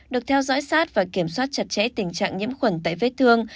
được theo dõi sát và kiểm soát chặt chẽ tình trạng nhiễm khuẩn tại vết thương